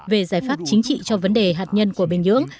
về giải pháp chính trị cho vấn đề hạt nhân của bình nhưỡng